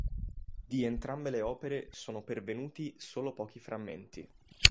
Di entrambe le opere sono pervenuti solo pochi frammenti.